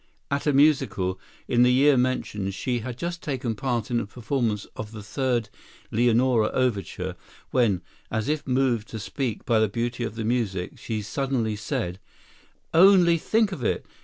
At a musical, in the year mentioned, she had just taken part in a performance of the third "Leonore" overture, when, as if moved to speak by the beauty of the music, she suddenly said: "Only think of it!